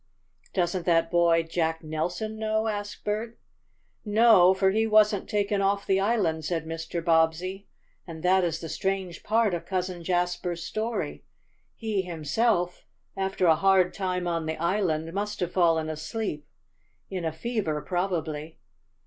"Doesn't that boy Jack Nelson know?" asked Bert. "No, for he wasn't taken off the island," said Mr. Bobbsey. "And that is the strange part of Cousin Jasper's story. He, himself, after a hard time on the island, must have fallen asleep, in a fever probably.